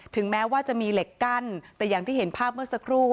แม้ว่าจะมีเหล็กกั้นแต่อย่างที่เห็นภาพเมื่อสักครู่